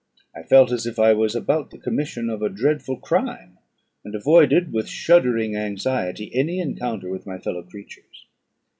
I felt as if I was about the commission of a dreadful crime, and avoided with shuddering anxiety any encounter with my fellow creatures.